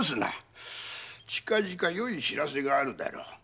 近々よい知らせがあるだろう。